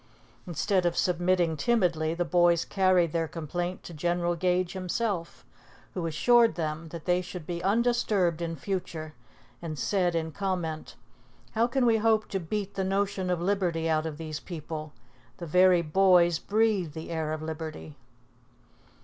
Instead of submitting timidly, the boys carried their complaint to General Gage himself, who assured them that they should be undisturbed in future and said in comment, "How can we hope to beat the notion of liberty out of this people? The very boys breathe the air of liberty!"